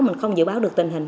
mình không dự báo được tình hình